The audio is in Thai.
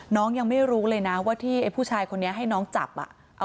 ยังไม่รู้เลยนะว่าที่ไอ้ผู้ชายคนนี้ให้น้องจับอ่ะ